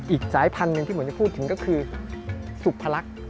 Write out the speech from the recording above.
อีกสายพันธุ์หนึ่งที่ผมจะพูดถึงก็คือสุพรรค